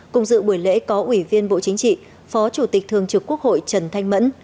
cùng dự buổi lễ có ủy viên bộ chính trị phó chủ tịch thường trực quốc hội trần thanh mẫn